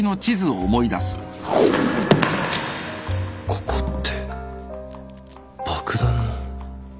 ここって爆弾の